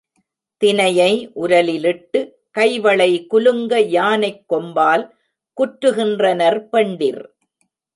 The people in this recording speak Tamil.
தினையை உரலிலிட்டு, கைவளை குலுங்க யானைக் கொம்பால் குற்றுகின்றனர் பெண்டிர்.